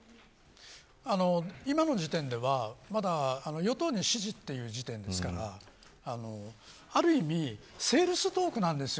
今の時点では与党に指示という時点ですからある意味セールストークなんですよ